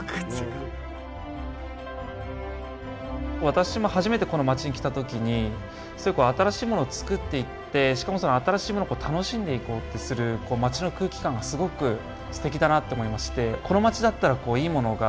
私も初めてこの町に来た時に新しいものをつくっていってしかも新しいものを楽しんでいこうとする町の空気感がすごくすてきだなと思いまして。